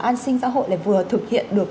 an sinh xã hội lại vừa thực hiện được